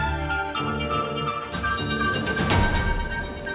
bisa berubah bukan akusub